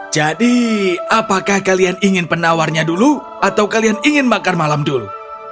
jadi apakah kalian ingin penawarnya dulu atau kalian ingin makan malam dulu